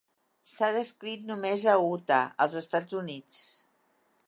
S'ha descrit només a Utah, als Estats Units.